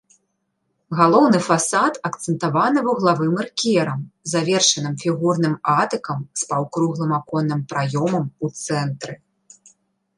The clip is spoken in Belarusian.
Галоўны фасад акцэнтаваны вуглавым эркерам, завершаным фігурным атыкам з паўкруглым аконным праёмам у цэнтры.